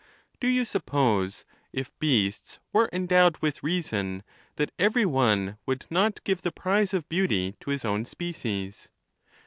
Do you suppose if beasts were endowed with reason that every one would not give the prize of beauty to his own species?